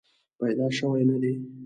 پیدا شوې نه دي.